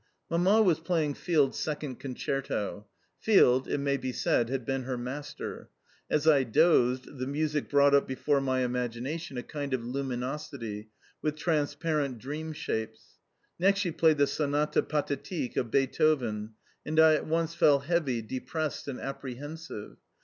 Mamma was playing Field's second concerto. Field, it may be said, had been her master. As I dozed, the music brought up before my imagination a kind of luminosity, with transparent dream shapes. Next she played the "Sonate Pathetique" of Beethoven, and I at once felt heavy, depressed, and apprehensive.